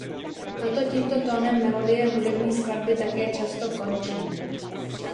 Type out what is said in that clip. Proto tímto tónem melodie hudební skladby také často končí.